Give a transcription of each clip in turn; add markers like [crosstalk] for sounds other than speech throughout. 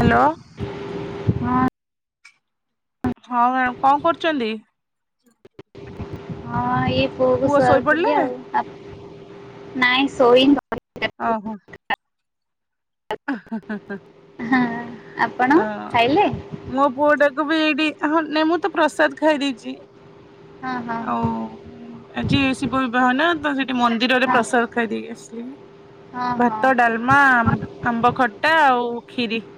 Hello ହଁ। ହଁ ma'am କଣ କରୁଚନ୍ତି? ହଁ ଏ ପୁଅକୁ ପୁଅ ଶୋଇପଡିଲା ଶୁଆଉଥିଲି ଆଉ ଆପ୍ ନାଇଁ ଶୋଇନି। ଅ ହ । ହଁ ହଁ ଆପଣ ଖାଇଲେ ମୋ ପୁଅଟାକୁ ବି ହଁ ନାଇଁ ମୁଁ ତ ପ୍ରସାଦ ଖାଇ ଦେଇଛି। ହଁ ହଁ ଆଉ ଆଜିି ଶିବ ବିବାହ ନା ତ ସେଠ ଏ ମନ୍ଦିରରେ ହଁ ପ୍ରସାଦ ହଁ ଖାଇଦେଇକି ଆସିଲି। ହଁ ଭାତ, ହଁ ଡାଲମା, ଆମ୍ ଆମ୍ବ ଖଟା ଆଉ ଖିରି ।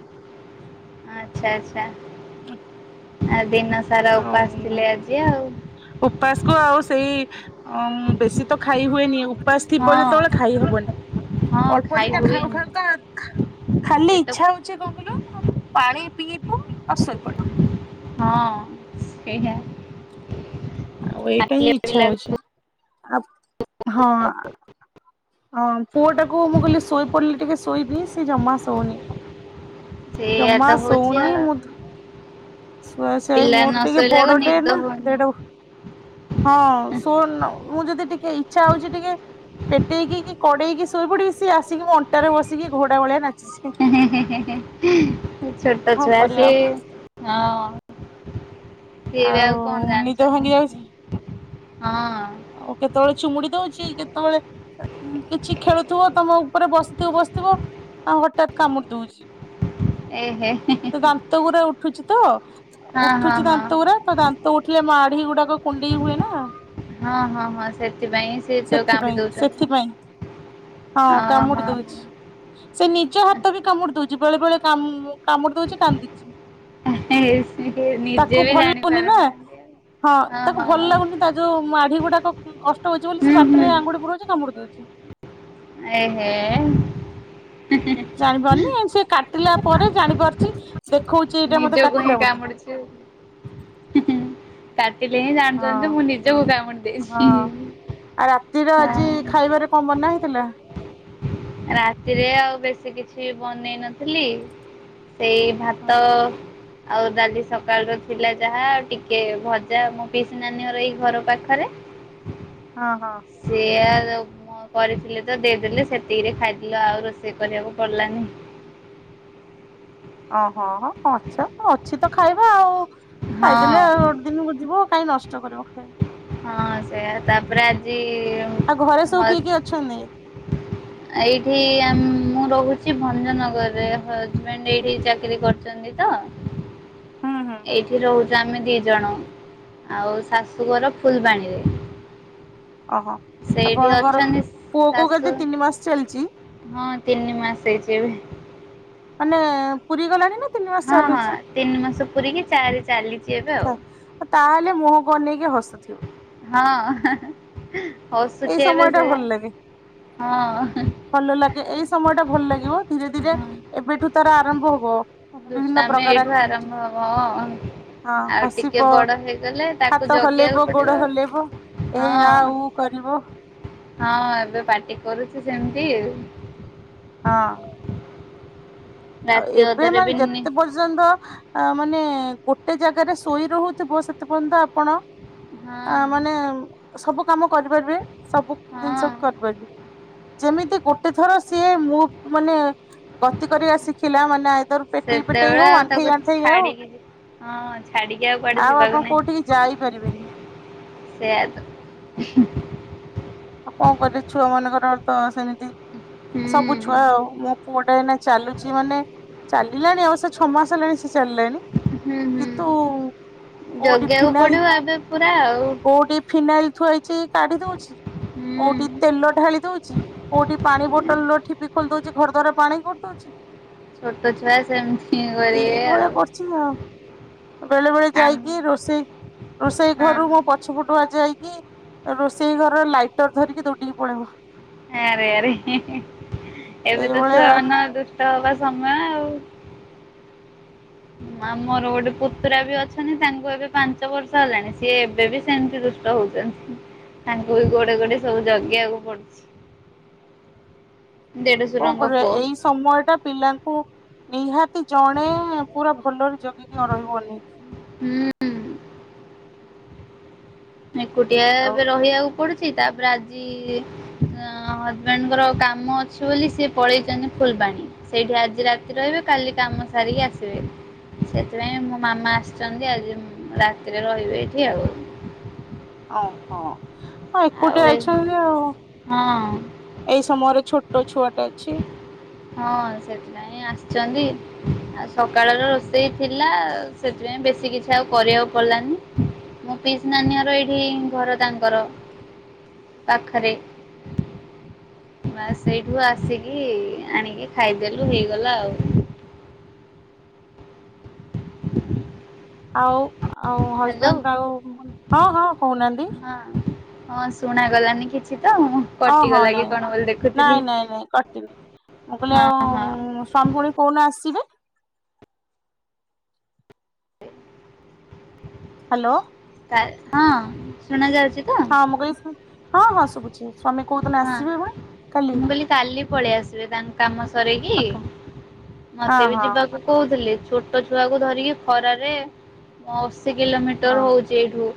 ଆଛା ଆଛା ଆ । ଦିନ ସାରା ଆଉ ଉପାସ ଥିଲେ ଆଜି ଆଉ । ଉପାସକୁ ଆଉ ସେଇ ବେଶୀ ତ ଖାଇ ହୁଏନି। ଉ ଉପାସ ଥିବ ହଁ ଯେତେବେଳେ ଖାଇହବନି, ହଁ ଅଳ୍ପ ଖାଇ ଦିଟା ଖାଉ ହୁଏନି ଖାଉକା, ତ ଖାଲି ପେଟ ଇଚ୍ଛା ହଉଛି କଣ କହିଲ ପାଣି ପିଇ ତ ଅସର ପଡ଼ିଥାଏ। ହଁ ସେଇଆ। ଆଉ ଏଇଟା ଖାଇଲେ ହିଁ ବି ଇଚ୍ଛା ହଉଛି, ଲାଗୁଛି ଆ ହଁ ଆ ହଁ ପୁଅଟାକୁ ମୁଁ କହିଲି ଶୋଇପଡ଼ିଲେ ଟିକେ ଶୋଇବି। ସେ ଜମା ଶୋଉନି। ସେଇଆ ଜମା ତ ହଉଛି ଶୋଉନି। ଆଉ ମୁଁ ତ ସୁଆଇ ସୁଆଇ ପିଲା ମୋର ନ ଟିକେ ଶୋଇଲେ ଯାକ ବଡ ଟେ ନିଦ ନା ଦେଢ ହଉନି ହଁ ଶୁଉନୁ । ମୁଁ ଯଦି ଟିକେ ଇଚ୍ଛା ହଉଛି ଟିକେ ପେଟେଇକି କି କଡେଇକି ଶୋଇପଡିକି, ସିଏ ଆସିକି ମୋ ଅଣ୍ଟାରେ ବସିକି ଘୋଡା ଭଳିଆ ନାଚି ହୁଁ ହୁଁ ହୁଁ ହୁଁ ସେ ଛୋ କଣ କରିବା ଟଛୁଆସେ ହଁ । ଆଉ ନିଦ ଭାଙ୍ଗି ଯାଉଛି। ହଁ ସେତେବେଳେ କିଛି ଖେଳୁଥିବ, ତମ ଉପରେ ବସିଥିବ ବସିଥିବ ଆଉ ହଠାତ୍ କାମୁଡି ଦଉଛି। ଏହେ ଦାନ୍ତଗୁରା ଉଠୁଛି ତ ହଁ ହଁ ଉଠୁଛି ହଁ ଦାନ୍ତଗୁଡା ତ ଦାନ୍ତ ଉଠିଲେ ମାଢି ଗୁଡାକ କୁଣ୍ଡେଇ ହୁଏ ନା। ହଁ ହଁ ହଁ ସେଥିପାଇଁ ସେ ଯୋଉ କାମୁଡି ସେଥିପାଇଁ ଦଉଛନ୍ତି। ସେଥିପାଇଁ ହଁ କାମୁଡି ଓହୋ ଦଉଛି, ସେ ନିଜ ହାତ ବି କାମୁଡି ଦଉଛି। ବେଳେ ବେଳେ କାମୁ କାମୁଡି ଦଉଛି କାନ୍ଦୁଛି ସିଏ ନିଜେ ।ତାକୁ ବି ଭଲ ଲାଗୁନି ନା ଜାଣିପାରୁନାହାନ୍ତି। ହଁ ତାକୁ ଭଲ ଲାଗୁନି ତା ଯୋଉ ମା ଗୁଡାକ କଷ୍ଟ ହଉଛି ବୋଲି ସେ ହୁଁ ହୁଁ ବାଟରେ ଆଙ୍ଗୁଡି ପୁରଉଛି ଦେ ଉଛି। ଏ ହେ। ଜାଣିପାରୁନି ସେ କାଟିଲା ପରେ ଜାଣିପାରୁଛି। ଦେଖଉଛି ଏଇଟା ମତେ ନିଜକୁ ହିଁ କାଟିଲା ବୋଲି। କାମୁଡିଛି କାଟିଲେ ହିଁ ହଁ ଜାଣୁଛନ୍ତି କି ମୁଁ ନିଜକୁ କାମୁଡି ଦେଇଛି। ସ୍ତ୍ରୀ ର ଆଜି ହଁ ଖାଇବାରେ କଣ ମନା ହେଇଥିଲା? ରାତିରେ ଆଉ ବେଶୀ କିଛି ବନେଇ ନଥିଲି ସେଇ ହଁ ଭାତ ଆଉ ଡାଲି ସକାଳ ର ଥିଲା ଯାହା ଆ ଟିକେ ଭଜା ମୋ ପିସ ନାନୀ ଘର ଏଇ ଘର ପାଖରେ। ହଁ ହଁ। ମୁଁ କରିଥିଲି ତ ଦେଇଦେଲି ସେ ସେତିକିରେ ଖାଇଲ ଆଉ ରୋଷେଇ କରିବାକୁ ପଡିଲାନି? ଓହୋ ହୋ ଅଛ ଅଛି ତ ଖାଇବା ଆଉ। ହଁ ଖାଇଦେଲେ ଆଉ ଗୋଟେ ଦିନକୁ ଯିବ କାଇଁ ନଷ୍ଟ କରିବ ଖାଇବା ହଁ ସେ ଆ ତାପ୍ ରେ ଆଉ ଘରେ ସବୁ ହ କିଏ କିଏ ଅଛନ୍ତି? ଏଇଠି ଆମ୍ ମୁଁ ରହୁଛି ଭଞ୍ଜନଗରରେ ହଜବେଣ୍ଡ ଏଇଠି ଚାକିରୀ କରିଛନ୍ତି ତ। ହୁଁ ହୁଁ ଏଇଠି ରହୁଛୁ ଆମେ ଦି ଜଣ ଆଉ। ଶାଶୁଘର ଫୁଲବାଣୀରେ। ଓହୋ ସେଇଠି ଆପଣଙ୍କର ଅଛନ୍ତି ପୁଅ କୁ କେତେ ଶାଶୁ ତିନି ମାସ ଚାଲିଛି ହଁ ତିନି ମାସ ହେଇଛି ଏବେ ମାନେ ପୁରୀ ଗଲାଣି ନା ତିନି ମାସ ହଁ ହଁ ଚାଲୁଛି? ତିନି ମାସ ପୁରିକି ଚାରି ଚାଲିଚି ତାହେଲେ ମୁହଁକୁ ଅନେଇକି ହସୁଥିବ । ହଁ ଏଇ ହସୁଛି ଏବେ ସମୟ ଟା ସେ ଭଲ ଲାଗେ ହଁ ଭଲ ଲାଗେ ଏଇ ସମୟ ଟା ଭଲ ଲାଗିବ ଧୀରେ ଧୀରେ ଏବେଠୁ ର ଆରମ୍ଭ ହବ ବିଭିନ୍ନ ଦୁଷ୍ଟାମି ପ୍ରକାର ଏଇଠୁ ଆକ୍ଟିଭିଟି ଆରମ୍ଭ ହବ ହଁ ହଁ ଆଉ ଟିକେ ହସିବ ବଡ ହେଇଗଲେ ତାକୁ ହାତ ଜଗିବାକୁ ହଲେଇବ ଗୋଡ ହଲେଇବ ପଡିବ ଏ ଆ ହଁ ଉ [unintelligible] ହଁ ଏବେ ପାଟି କରୁଛି ସେମିତି ହଁ ଆଉ ରାତି ଏବେ ଅଧରେ ବି ମାନେ ନି ଯେତେ ପର୍ଯ୍ୟନ୍ତ ଅ ମାନେ ଗୋଟେ ଜାଗାରେ ଶୋଇ ରହୁଥିବ ସେତେ ପର୍ଯ୍ୟନ୍ତ ଆପଣ ଆ ହଁ ମାନେ ସବୁ କାମ କରିପାରିବେ, ସବୁ ଜିନିଷ ହଁ କରିପାରିବେ। ଯେମିତି ଗୋଟେ ଥର ସିଏ ମୁଁ ମାନେ ଗତି କରି ଆସିିକ ଖିଲ ମାନେ ଆଇଦର ପେଟେଇ ପେଟେଇ ସେତେବେଳେ ହଉ ଆଉ ଆଣ୍ଠେଇ ତାକୁ ଆଣ୍ଠେଇ ହଉ ଛାଡିକି ହଁ ଛାଡିକି ଆଉ କୁଆଡେ ଆପଣ ଯିବାକୁ କୋଉଠିକି ଯାଇପାରିବେନି ନାହିଁ। ସେଆତ। ଆଉ କଣ କରି ଛୁଆ ମାନଙ୍କର ଅ ତ ସେମିତି। ହୁଁ ସବୁ ଛୁଆ ଆଉ ମୁ। ପୁଅଟା ଏନା ଚାଲୁଛି ମାନେ ଚାଲିଲାଣି ଅବଶ୍ୟ ଛଅ ମାସ ହେଲାଣି ସେ ଚାଲିଲାଣି। ହୁଁ ହୁଁ କିନ୍ତୁ କୋଉଠି ଜଗିବାକୁ ଫିନାଇଲ ପଡିବ ଏବେ। ପୁରା ଆଉ କୋଉଠି ଫିନାଇଲ ଥୁଆ ହେଇଛି କାଢି ଦଉଛି ହୁଁ। କୋଉଠି ତେଲ ଢାଳି ଦଉଛି କୋଉଠି ପାଣି ବୋଟଲ ନ ଖିପି ଖୋଲି ଦଉଛି ଘର ଦରେ ପାଣି କରି ଦଉଛି। ଛୋଟ ଛୁଆ ସେମିତି ଏ କରିବେ ଆଉ ଭଳିଆ କରଛି ଆ, ବେଳେ ବେଳେ ଆମ ଯାଇକି ରୋଷେଇ ରୋଷେଇ ଘରୁ ହଁ। ୁଆ ଯାଇକି ରୋଷେଇ ଘର ଲାଇଟ୍ ଆରେ ଆରେ ଏବେ ତ ଏଇଭଳିଆ ଛୁଆ ମ ନ ଦୁ ତ ହବା ସମୟ ଆଉ। ମା ମୋର ଗୋଟେ ପୁତୁରା ବି ଅଛନ୍ତି ତାଙ୍କୁ ଏବେ ପାଞ୍ଚ ବର୍ଷ ହେଲାଣି, ସିଏ ଏବେ ବି ସେମିତି ଦୁଷ୍ଟ ହଉଛନ୍ତି ତାଙ୍କୁ ବି ଗୋଡେ ଗୋଡେ ସବୁ ଜଗେଇବାକୁ ପଡୁଛି। କଣ ଦେଢଶୁରଙ୍କ ପୁଅ। କରିବାଏଇ ସମୟ ଟା ପିଲାଙ୍କୁ ନିହାତି ଜଣେ ପୁରା ଭଲରେ ଜଗିକି ରହିକି ଅନେଇକି। ହୁଁ। ଏକୁଟିଆ ଆଉ ଏବେ ରହିବାକୁ ପଡୁଛି। ତାପରେ ଆଜି ହଜବେଣ୍ଡଙ୍କର କାମ ଅଛି ବୋଲି ସେ ପଳେଇଛନ୍ତି ଫୁଲବାଣୀ, ସେଇଠି ଆଜି ରାତି ରହିବେ କାଲି କାମ ସାରିକି ଆସିବେ ସେଥିପାଇଁ ମୋ ମାମା ଆସିଛନ୍ତି ଆଜି ରାତିରେ ରହିବେ ଏଠି ଆଉ। ଓ ହୋ। ହଁ ଆଉ ଏକୁଟିେ ଏ ଅଛନ୍ତି ଆଉ ହଁ ଏଇ ସମୟରେ ଛୋଟ ଛୁଆଟା ଅଛି। ହଁ ସେଥିପାଇଁ ଆସିଛନ୍ତି ଆଉ ସକାଳର ରୋଷେଇ ଥିଲା ସେଥିପାଇଁ ବେଶୀ କିଛି ଆଉ କରିବାକୁ ପଡିଲାନି ମୋ ପିସି ନାନିଆର ଏଇଠି ଘର ତାଙ୍କର। ପାଖରେ ବାସ ସେଇଠୁ ଆସିକି ଆଣିକି ଖାଇଦେଲୁ ହେଇଗଲା ଆଉ। [inaudible] ଆଉ ଆଉ ହ୍ୟାଲୋ ହଜବେଣ୍ଡ ତାଙ୍କୁ ହଁ ହଁ କହୁ ନାହାନ୍ତି। ହଁ। ହଁ ଶୁଣାଗଲାନି କିଛି। ତ ମୁଁ ଓହୋ କଟିଗଲା କି ନାଇଁ କଣ ବୋଲି ଦେଖୁଥିଲି। ନାଇଁ ନାଇଁ ନାଇଁ କଟିନି ମୁଁ କହିଲି ହଁ ଆଉ ହଁ ସ୍ୱାମୀ ପୁଣୀ କୋଉନ ଆସିବେ। ଆ ହାଲୋ । ହଁ ଶୁଣା ଯାଉଛି। ତ ହଁ ମୁ କାଇଲି। ହଁ ହଁ ଶୁବୁଚି । ହଁ ମୁଁ କହିଲି କାଲି ପଳେଇ ଆସିବେ ତାଙ୍କ କାମ ସରିକି ଆକା ହଁ ମତେ ବି ହଁ ଯିବାକୁ କହୁଥିଲେ । ଛୋଟ ଛୁଆକୁ ଧରିକି ଖରାରେ ମୁ ଆଉ କେତେ ହଁ କିଲୋମିଟର ହଉଛି ଏଇଠୁ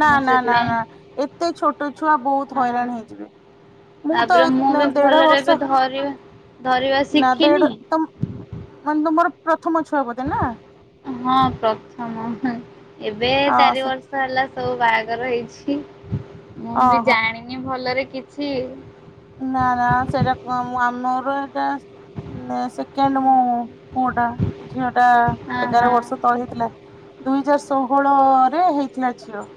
ନା ମୁଁ ନା ନା ସେଥିପାଇଁ ନା । ଏତେ ଛୋଟ ଛୁଆ ବହୁତ ହଇରାଣ ହେଇଯିବେ ମୁଁ ତ ତାପରେ ବି ଦେଢ ଭଲରେ ବର୍ଷ ଏବେ ଧରି ଧରିବା ନା ଶିଖିନି ଦେଢ ତମ ମାନେ ତମର। ପ୍ରଥମ ଛୁଆ ବୋଧେ ନାଁ । ହଁ ପ୍ରଥମ । ଏବେ ହଁ ଚାରି ସେ ବର୍ଷ ହେଲା ସବୁ ବାହାଘ ଘର ହେଇଛି । ମୁଁ ବି ଓହୋ ଜାଣିନି ଭଲରେ । କିଛି । ନା ନା ସେଇଟା କୁଆ ଆମର ଏଟା ଏ ସେକେଣ୍ଡ ମୁଁ । ପୁଅଟା ଝିଅ ଟା ହଁ ଏଗାର ହଁ ବର୍ଷ ତଳେ ହେଇଥିଲା । ଦୁଇ ହଜାର ଷୋହଳରେ ହେଇଥିଲା ଝିଅ ।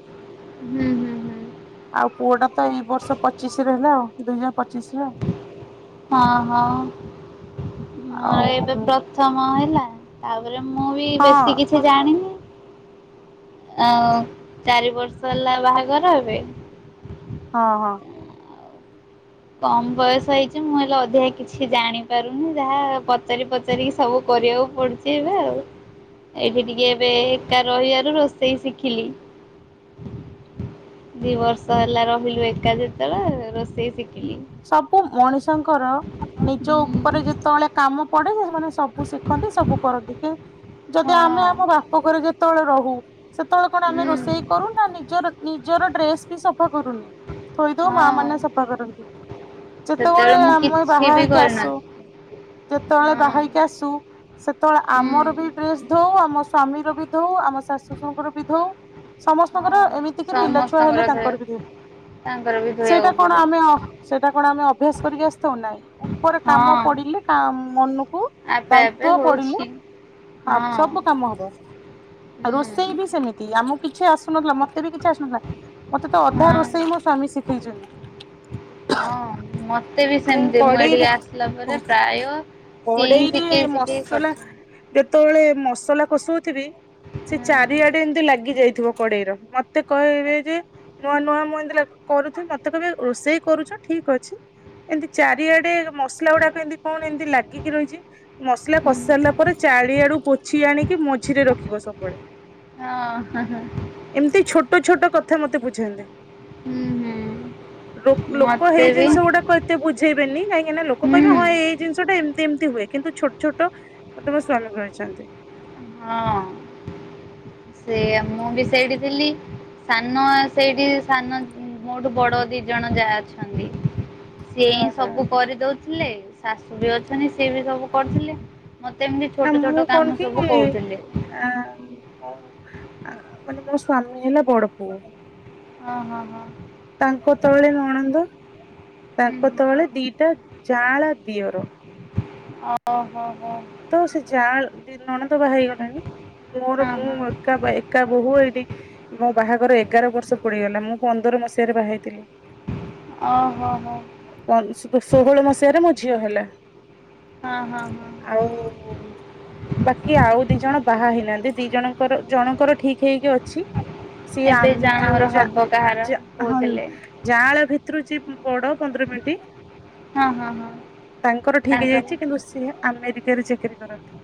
ହୁଁ ହୁଁ ହୁଁ । ଆଉ ପୁଅ ଟା ତ ଏଇ ବର୍ଷ ପଚିଶି ରେ ହେଲା ଆଉ ଦୁଇ ହଜାର ପଚିଶି ରେ ଆଉ । ହଁ ହଁ । ମୋର ଆଉ ଏବେ ହଁ ପ୍ରଥମ ହେଲା । ଆଉ। ତା ପରେ ମୁଁ ବି ବେଶୀ ହଁ କିଛି ଜାଣିନି । ଆଉ ଚାରି ବର୍ଷ ହେଲା ବାହାଘର ଏବେ। ହଁ ହଁ । କମ ବୟସ ହେଇଛି ମୁଁ ହେଲେ ଅଧିକା କିଛି ଜାଣିପାରୁନି ଯାହା ପଚାରି ପଚାରିକି ସବୁ କରିବାକୁ ପଡୁଛି ଏବେ ଆଉ ଏଇଠି ଟିକେ ଏବେ ଏକା ରହିବାରୁ ରୋଷେଇ ଶିଖିଲି ଦି ବର୍ଷ ହେଲା ରହିଲୁ ଏକା ଯେତେବେଳେ ରୋଷେଇ ଶିଖ । ସବୁ ମଣିଷଙ୍କର ନିଜ ଉପରେ ହୁଁ ଯେତେବେଳେ । କାମ ପଡେ ସେମାନେ ସବୁ ଶିଖନ୍ତି ସବୁ କରନ୍ତି କି । ଯଦି ହଁ ଆମେ ଆମ ବାପ ଘରେ ଯେ ଘରେ ରହୁ ସେତେବେଳେ କଣ ଆମେ ହୁଁ ରୋଷେଇ କରୁ ନା ନିଜର ଜୋର ଡ୍ରେସ ବି ସଫା କରୁନି ଥୋଇଦଉ ମା ହଁ। ମାନ ସଫା କରନ୍ତି ଯେତେବେଳେ ସେତେବେଳେ ମୁଁ ଆମେ କିଛି ବାହା ବି ହେଇକି ଆସୁ କରିନଥିଲି ଯେତେବେଳେ ହଁ ବାହା ହେଇକି ଆସୁ ସେତେବେଳେ ହୁଁ। ଆମର ବି ଡ୍ରେସ ଧଉ ଆମ ସ୍ଵାମୀର ବିଧଉ ଆମ ଶାଶୁ ଶଶୁଙ୍କର ବିଧଉ ସମସ୍ତଙ୍କର ହଁ ଏମିତିକ ପିଲା ଛୁଆ ହେଲେ ସମସ୍ତଙ୍କର ଧୋଇ ତାଙ୍କର ବି ତାଙ୍କର ବି ସେଇଟା ଧୋଇବାକୁ କଣ ପଡେ ଆମେ ସେଇଟା କଣ ଆମେ ଅଭ୍ୟାସ କରିକି ଆସିଥାଉ ନାହିଁ ଉପରେ କାମ ହଁ। ପଡିଲେ ମନକୁ ଆପେ ଆପେ ଦାୟିତଵ ପଡିଲେ ହଉଛି ହଁ ସବୁ କାମ ହବ ହୁଁ ରୋଷେଇ ବି ସେମିତି ଆମକୁ କିଛି ଆସୁ ଆସୁନଥିଲା ମତେ ବି କିଛି ଆସୁନଥିଲା ମତେ ତ ଅଧା ହଁ ରୋଷେଇ ମୋ ସ୍ଵାମୀ ଶିଖେଇଛନ୍ତି ହଁ ମତେ ବି ସେମିତି ମୁଁ ଏଠିକି ଆସିଲା ପରେ ପ୍ରାୟ ସିଏ ହିଁ କଡେଇରେ ଶିଖେଇ ଶିଖେଇ ମସଲା କରିଛି ଯେତେବେଳେ ମସଲା କଷଥିବି ସେ ଚାରିଆଡେ ଏମତି ଲାଗି ଯାଇଥିବ କଡେଇ ର ମତେ କହିବେ ଯେ ନୂଆ ନୂଆ ମୁଁ ଏମତି କରୁଥିବି ମତେ କହିବେ ରୋଷେଇ କରୁଛ ଠିକ ଅଛି ଏମିତି ଚାରିଆଡେ ମସଲା ଗୁଡାକ ଏମିତି କଣ ଏମତି ଲାଗିକି ରହିଛି ମସଲା ହଁ ହଁ କଷାରିଲା ପରେ ଚାରିଆଡୁ ପୋଛି ଆଣିକି ମଝିରେ ରଖିବ ସବୁବେଳେ ହଁ ହ ହ ଏମିତି ଛୋଟ ଛୋଟ କଥା ମତେ ବୁଝନ୍ତି ହୁଁ ହୁଁ ଲୋକ ମତେ ହେଇ ବି ଜିନିଷ ଗୁଡାକ ଏତେ ବୁଝ ଝେଇବେନି ନାଇଁ କାଁକନା ଲୋକ ହୁଁ କହିବେ ହଁ ଏଇ ଜିଷଟା ଏମ ଏମିତି ହୁଏ କିନ୍ତୁ ଛୋଟ ଛୋଟ ତମ ସ୍ଵାମୀ କହିଛନ୍ତି ସେୟା ମୁଁ ବି ସେଇଠି ଥିଲି ସାନ ସେଇଠି ସାନ ମୋଠୁ ବଡ ଦି ଜଣ ଯାହା ଅଛନ୍ତି ସିଏ ହିଁ ଓହୋ ସବୁ କରିଦଉ ଥିଲେ ଶାଶୁ ବି ଅଛନ୍ତି ସେ ବି ସବୁ କରୁଥିଲେ ମତେ ଏମିତି ନା ଛୋଟ ଛୋଟ ମୁଁ କାମ କଣ କି ସବୁ କହୁଥିଲେ। ଆ ମୁ ଆ ମାନେ ମୋ ସ୍ଵାମୀ ହେଲାବଡ଼ ପୁଅ ହଁ ହଁ ହଁ। ତାଙ୍କ ତଳେ ନଣନ୍ଦ ହୁଁ ତାଙ୍କ ତଳେ ହୁଁ। ଦିଟା ଯାଆଁଳା ଦିଅର ଓ ହୋ ତ ସେ ଯା ଦ ନଣନ୍ଦ ବାହା ହେଇଗଲାଣି ମୋର ହଁ ହଁ। ମୁଁ ଏକା ଏକା ବୋହୁ ଏଇଠି ମୋ ବାହାଘର ଏଗାର ବର୍ଷ ପଡିଗଲା ମୁଁ ପନ୍ଦର ମସିହାରେ ବାହାଇଥିଲି ଓହୋ ହୋ ଷୋହଳ ମସିହାରେ ମ ଝିଅ ହେଲା ହଁ ହଁ ହଁ ଆଉ ବାକି ଆଉ ଦି ଜଣ ବାହା ହେଇନାହାନ୍ତି ଦି ଜଣଙ୍କର ଜଣଙ୍କର ଠିକ ହେଇକି ଅଛି ସିଏ ଏବେ ଆମ ଜଣଙ୍କର ଯୋଉା ହବ କାହାର ହଁ କହୁଥିଲେ। ଯାଆଁଳା ଭିତରୁ ଯିଏ ବଡ ପନ୍ଦର ମିନିଟ୍। ହଁ ହଁ ହଁ। ତାଙ୍କର ଠିକ୍ ହେଇ ଯାଇଚି କିନ୍ତୁ ସେ ଆମେରିକାରେ ଚାକିରି କରନ୍ତି।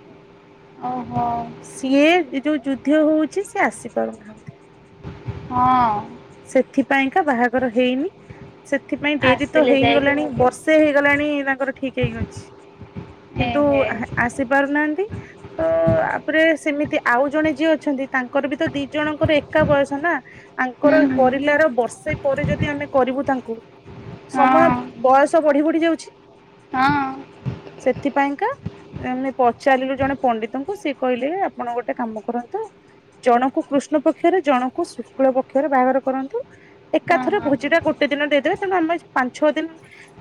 ଓହୋ। ସିଏ ଏ ଯଉ ଯୁଦ୍ଧ ହଉଚି ସେ ଆସିପାରୁନାହାନ୍ତି। ହଁ। ସେଥିପାଇଁକା ବାହାଘର ହେଇନି ସେଥିପାଇଁ ଡେରି ତ ଆସିଲେ ଯାଇକି ହେଇଗଲାଣି ଆଉ କେ ବର୍ଷେ ହେଇଗଲାଣି ତାଙ୍କର ଠିକ ହେଇକି ଅଛି କିନ୍ତୁ ଏହେ ଆସି ପାରୁନାହାନ୍ତି ତ ଆପରେ ସେମିତି ଆଉ ଜଣେ ଯିଏ ଅଛନ୍ତି ତାଙ୍କର ବି ତ ଦି ଜଣଙ୍କର ଏକା ବୟସ। ନା । ହୁଁ କର ହୁଁ। କରିଲାର ବର୍ଷେ ପରେ ଯଦି ଆମେ କରିବୁ ତା ଙ୍କୁ। ହଁ ସମୟ ହଁ। ବୟସ ବଢି ବଢି ଯାଉଛି। ହଁ। ସେଥିପାଇଁକା ଆମେ ପଚାରିଲୁ ଜଣେ ପଣ୍ଡିତଙ୍କୁ ସିଏ କହିଲେ ଆପଣ ଗୋଟେ କାମ କରନ୍ତୁ ଜଣକୁ କୃଷ୍ଣ ପକ୍ଷରେ ଜଣଙ୍କୁ ଶୁକ୍ଳ ପ କ୍ଷ ରେ ବାହାଘର କରନ୍ତୁ ଏକା ହଁ ଥରେ ହଁ। ଭୋଜି ଟା ଗୋଟେ ଦିନ ଦେଇଦେବେ ତେଣୁ ଆମେ ପାଞ୍ଚ ଛଅ ଦିନ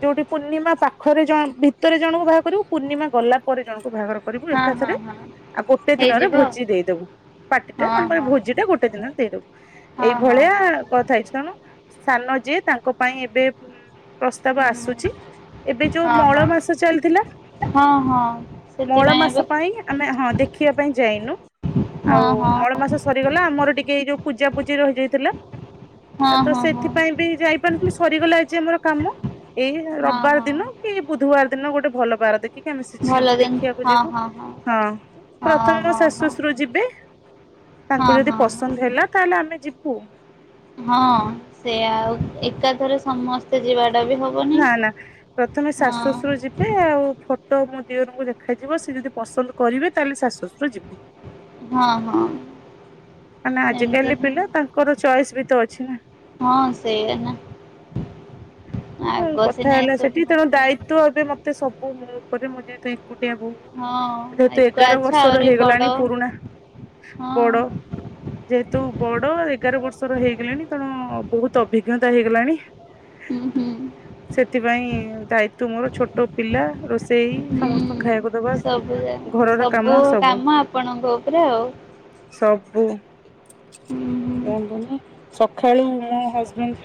ଯୋଉଠି ପୂର୍ଣ୍ଣିମା ପାଖରେ ଭିତରେ ଜଣକୁ ବାହା କରିବୁ ପୂର୍ଣ୍ଣିମା ଗଲା ପରେ ଜଣକୁ ବାହାଘର କରିବୁ ହଁ ହଁ ଏକାଥରେ ହଁ ଆଉ ଗୋଟେ ଦିନରେ ହେଇଯିବ ଆଉ। ଭୋଜି ଦେଇଦବୁ ପାଟି ଟା ହଁ ଆମର ହଁ ଭୋଜି ଟା ଗୋଟେ ଦିନରେ ଦେଇଦବୁ। ହଁ ଏଇ ହଁ ଭଳିଆ ହଁ କଥା ହେଇଛି ତେଣୁ ସାନ ଯିଏ ତାଙ୍କ ପାଇଁ ଏବେ ଉଁ ପ୍ରସ୍ତାବ ହୁଁ ଆସୁଚି ଏବେ ଯୋଉ ହଁ ହଁ ମଳ ମାସ ଚାଲିଥିଲା ହଁ ହଁ ମଳ ସେଥିପାଇଁ ଏବେ ମାସ ପାଇଁ ଆମେ ହଁ ଦେଖ ଦେଖିବା ପାଇଁ ଯାଇନୁ। ହଁ ଆଉ ହଁ ମଳ ମାସ ସରିଗଲା ଆମର ଟିକେ ଏଇ ଯୋଉ ପୂଜା ପୂ ଜି ରହିଯାଇଥିଲା। ହଁ ଆଉ ତ ହଁ ହଁ ସେଥିପାଇଁ ବି ଯାଇପାରିନଥିଲୁ ସରିଗଲା ଆଜି ଆମର। କାମ ଏଇ ହଁ ରବିବାର ଦିନ ହଁ କି ବୁଧବାର ଦିନ ଗୋଟେ ଭଲ ବାର ଦେଖି ଆମେ ସେ ଝିଅକୁ ଭଲ ଦିନ ଦେଖିବାକୁ ହଁ ଯିବୁ ହଁ ।ହଁ ପ୍ରଥମେ ମୋ ହଁ ଶାଶୁ, ହଁ ହଁ ଶଶୁର ଯିବେ ତାଙ୍କୁ ହଁ ଯଦି ହଁ ପସନ୍ଦ ହଁ ହେଲା ତାହେଲେ ଆମେ ଯିବୁ। ହଁ ସେ ଆଉ ଏକାଥରେ ସମସ୍ତେ ଯିବା ନା ନା ପ୍ରଥମେ ଶାଶୁ ହଁ ଶଶୁରୁ ଯିବେ ଆଉ ଫ ଟ ମୋ ଦିଅରଙ୍କୁ ଦେଖାଯିବ। ସେ ଯଦି ପସନ୍ଦ କରିବେ ତାହେଲେ ଶାଶୁ ଶଶୁର ଯିବେ। ହଁ ହଁ ଆଜିକାଲି ସେମିତି ପିଲା ତାଙ୍କର ଚଏସ୍ ତ ଅଛି ନା ହଁ ସେଇ ନା ତେଣୁ ଆଗ କଥା ସିନା ହେଲା ଏସବୁ ସେଠି ତେଣୁ ନଥିଲା ଦାୟିତ୍ଵ ଏବେ ମତେ ସବୁ ମୁଁି [inaudible] ଏକୁଟିଆ ହଁ ବୋହୁ ଯେହେତୁ ଏକା ଏଗାର ଆଚ୍ଛା ବର୍ଷର ଆହୁରି ବଡ ହେଇଗଲାଣି ପୁରୁଣା ହଁ ବଡ। ଯେହେତୁ ବଡ ଏଗାର ବର୍ଷର ହେଇଗଲିଣି ତେଣୁ ବହୁତ ଅଭିଜ୍ଞତା ହେଇଗଲାଣି। ହୁଁ ହୁଁ ସେଥିପାଇଁ ଦାୟିତ୍ୱ ମୋର। ଛୋଟ ପିଲା ରୋଷେଇ ସମସ୍ତଙ୍କୁ ଖାଇବାକୁ ଦବା ସବୁ ଘରର କାମ ସବୁ କାମ ଆପଣଙ୍କ ଉପରେ ଆଉ। ସବୁ ହୁଁ ସକାଳୁ ମୋ ହଜବେଣ୍ଡ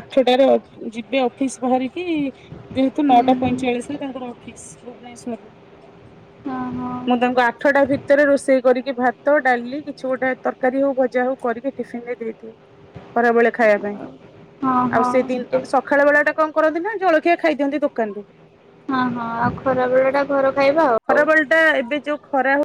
ଆଠଟାରେ ଅ ଯିବେ ଅଫିସ ବାହାରିକି ଯେହେତୁ ନଅଟା ହୁଁ ପଇଁଚାଳିଶରେ ତାଙ୍କର ଅଫିସ ଭୁବନେଶ୍ଵରରେ ହଁ ହଁ ମୁଁ ତାଙ୍କୁ ଆଠଟା ଭିତରେ ରୋଷେଇ କରିକି ଭାତ, ଡାଲି କିଛି ଗୋଟେ ତରକାରୀ ହଉ ଭଜା ହଉ କରିକି ଟିଫିନରେ ଦେଇି ଖରାବେେଳେ ଖାଇବା ପାଇଁ। ହଁ ହଁ। ସଖାଳ ବେଳା ଟା କଣ କରନ୍ତି ନା ଜଳଖିଆ ଖାଇଦିଅନ୍ତି ଦୋକାନରୁ ହଁ ହଁ ଆଉ ଖରାବେଳେ ଟା ଘର ଖାଇବା ଆଉ। ା ଏବେ ଯୋଉ ଖରା ହ